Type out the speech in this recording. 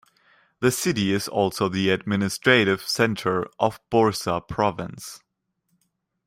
The city is also the administrative centre of Bursa Province.